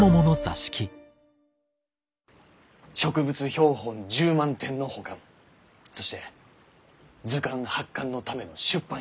植物標本１０万点の保管そして図鑑発刊のための出版費用